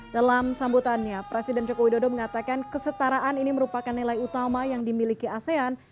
dalam sambutannya presiden joko widodo mengatakan kesetaraan ini merupakan nilai utama yang dimiliki asean